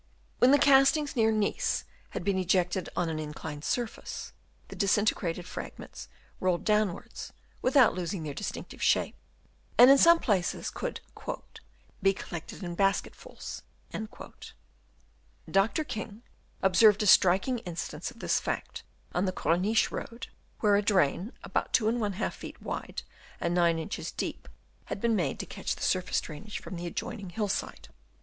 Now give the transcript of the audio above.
When the castings near Nice had been ejected on an inclined surface, the disinte grated fragments rolled downwards, without losing their distinctive shape ; and in some places could " be collected in basketfuls." Dr. King observed a striking instance of this fact on the Corniche road, where a drain, about 2^ feet wide and 9 inches deep, had been made 280 DENUDATION TO LAND Chap, VL to catch the surface drainage from the adjoin ing hill side.